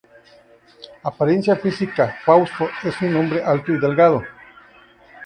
Apariencia Física: Fausto es un hombre alto y delgado.